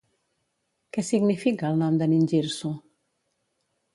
Què significa el nom de Ningirsu?